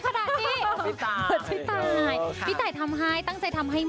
กับเพลงที่มีชื่อว่ากี่รอบก็ได้